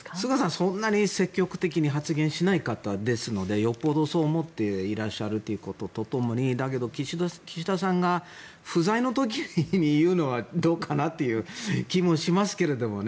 そんなに積極的に発言しない方ですのでよほどそう思っていらっしゃるということともにだけど岸田さんが不在の時に言うのはどうかなという気もしますけどね。